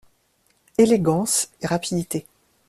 Élégance et rapidité